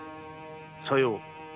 さよう。